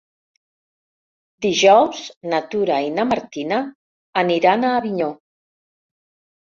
Dijous na Tura i na Martina aniran a Avinyó.